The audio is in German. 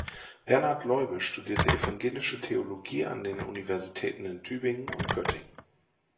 Bernhard Leube studierte evangelische Theologie an den Universitäten in Tübingen und Göttingen.